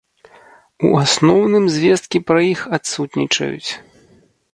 У асноўным звесткі пра іх адсутнічаюць.